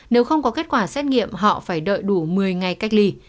nếu không có kết quả xét nghiệm họ phải đợi đủ một mươi ngày cách ly